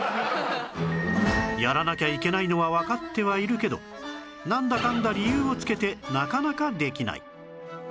やらなきゃいけないのはわかってはいるけどなんだかんだ理由をつけてなかなかできない